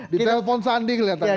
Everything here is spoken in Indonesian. di telepon sandi kelihatannya